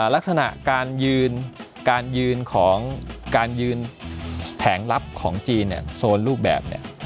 ลักษณะการยืนแผงลับของจีนโซนรูปแบบ